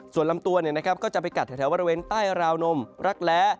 ส่วนลำตัวก็จะไปกัดแถวบริเวณใต้ราวนมรักแร้